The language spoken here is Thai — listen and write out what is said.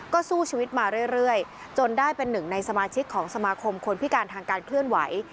ก็สู้ชีวิตมาเรื่อยจนได้เป็นหนึ่งในสมาชิกของสมาคมคนพิการทางการเคลื่อนไหว